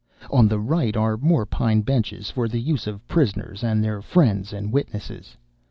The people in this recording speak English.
On the right are more pine benches, for the use of prisoners, and their friends and witnesses.